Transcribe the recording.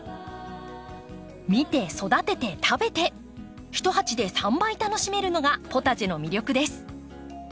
見て育てて食べて一鉢で３倍楽しめるのがポタジェの魅力です。